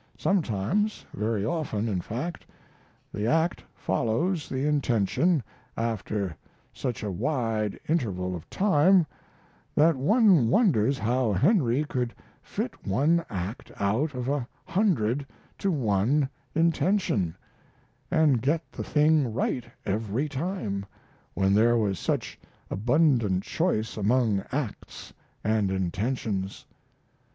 Sometimes very often, in fact the act follows the intention after such a wide interval of time that one wonders how Henry could fit one act out of a hundred to one intention, and get the thing right every time, when there was such abundant choice among acts and intentions.